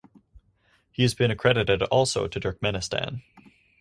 He has been accredited also to Turkmenistan.